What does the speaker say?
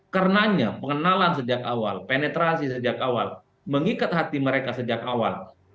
karenanya pengenalan sejak awal penetrasi sejak awal mengikat hati mereka sejak awal